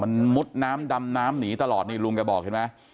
มันมุดน้ำดำน้ำหนีตลอดนี่ลุงแกบอกเห็นไหม